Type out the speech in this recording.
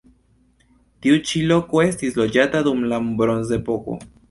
Tiu ĉi loko estis loĝata dum la bronzepoko.